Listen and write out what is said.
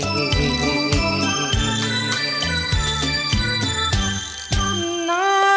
เพลง